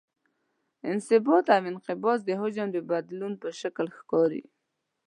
انبساط او انقباض د حجم د بدلون په شکل ښکاري.